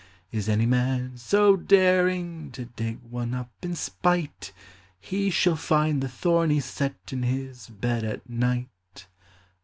Is any man so daring To dig one up in spite, He shall find the thorn ies set In his bed at night.